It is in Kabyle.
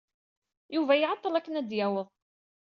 Yuba iɛeḍḍel akken ad d-yaweḍ.